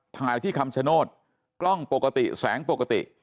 ถ่ายที่คำชโนธกล้องปกติแสงปกติ